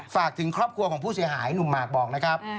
ฝากถึงครอบครัวของผู้เสียหายหนุ่มหมากบอกนะครับ